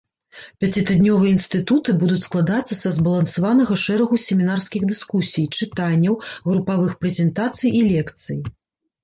Пяцітыднёвыя інстытуты будуць складацца са збалансаванага шэрагу семінарскіх дыскусій, чытанняў, групавых прэзентацый і лекцый.